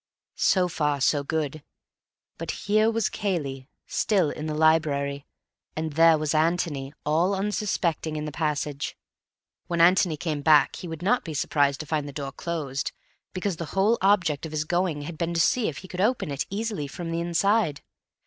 So far, so good. But here was Cayley still in the library, and there was Antony, all unsuspecting, in the passage. When Antony came back he would not be surprised to find the door closed, because the whole object of his going had been to see if he could open it easily from the inside.